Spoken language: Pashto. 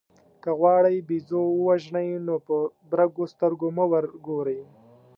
که غواړئ بېزو ووژنئ نو په برګو سترګو مه ورګورئ.